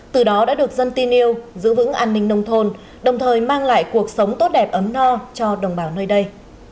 từ đó đã được dân tin yêu giữ vững an ninh nông thôn đồng thời mang lại cuộc sống tốt đẹp ấm no cho đồng bào nơi đây